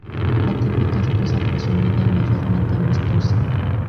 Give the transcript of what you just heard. La típica esposa presumida y mayormente amistosa.